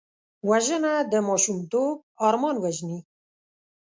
وژنه د ماشومتوب ارمان وژني